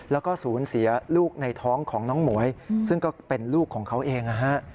แล้วก็ศูนย์เสียลูกในท้องของน้องหมวยซึ่งก็เป็นลูกของเขาเองนะฮะ